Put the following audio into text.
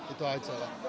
itu aja lah